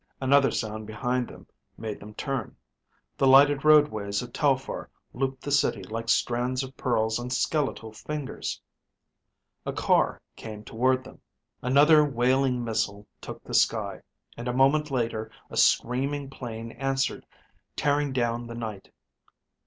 Another sound behind them made them turn. The lighted roadways of Telphar looped the city like strands of pearls on skeletal fingers. A car came toward them. Another wailing missile took the sky, and a moment later a screaming plane answered, tearing down the night.